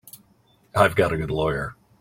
I've got a good lawyer.